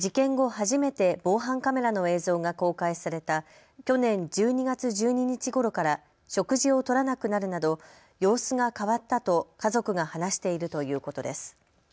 初めて防犯カメラの映像が公開された去年１２月１２日ごろから食事をとらなくなるなど様子が変わったと家族が話しているということです。